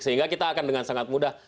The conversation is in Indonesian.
sehingga kita akan dengan sangat mudah